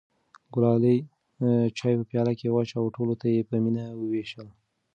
ګلالۍ چای په پیالو کې واچوه او ټولو ته یې په مینه وویشل.